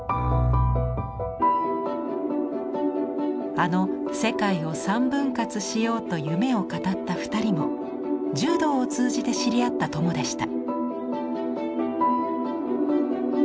あの世界を三分割しようと夢を語った２人も柔道を通じて知り合った友でした。